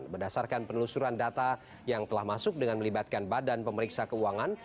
berdasarkan penelusuran data yang telah masuk dengan melibatkan badan pemeriksa keuangan